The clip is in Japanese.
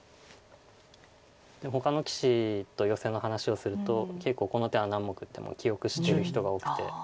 ほかの棋士とヨセの話をすると結構この手は何目ってもう記憶してる人が多くて。